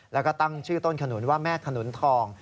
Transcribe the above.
แล้วก็ตั้งชื่อต้นขนุนว่าแม่ขนุนทอง